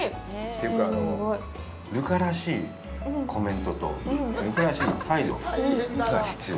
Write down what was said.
というか、留伽らしいコメントと留伽らしい態度が必要。